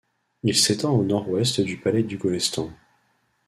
Il s'étend au nord-ouest du palais du Golestan.